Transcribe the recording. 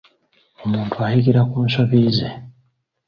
Omuntu ayigira ku nsobi ze.